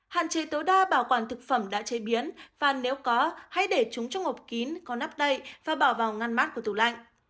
hạn chế tối đa bảo quản thực phẩm đã chế biến và nếu có hãy để chúng trong hộp kín có nắp đầy và bảo vào ngăn mát của tủ lạnh